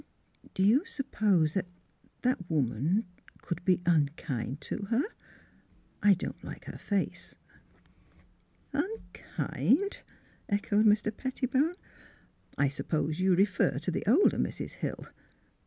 Do you suppose that — that woman could be unkind to her ? I don 't like her face." " Unkind? " echoed Mr. Pettibone. *' I suppose you refer to the older Mrs. Hill.